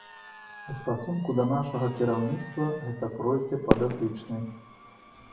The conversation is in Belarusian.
У стасунку да нашага кіраўніцтва, гэта пройдзе па датычнай.